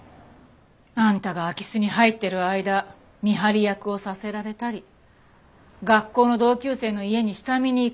あんたが空き巣に入ってる間見張り役をさせられたり学校の同級生の家に下見に行かされたり。